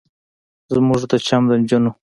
زموږ د چم د نجونو